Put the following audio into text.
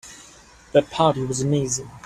That party was amazing.